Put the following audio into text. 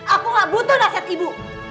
aku gak butuh nasib ibu